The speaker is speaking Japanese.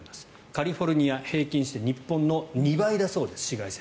カリフォルニア、紫外線平均して日本の２倍だそうです。